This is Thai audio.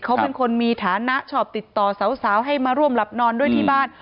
เขาเป็นคนมีฐานะชอบติดต่อสาวให้มาร่วมหลับนอนด้วยที่บ้าน